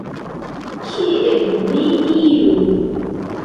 Kien ni iru?